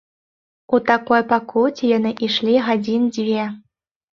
У такой пакуце яны ішлі гадзін дзве.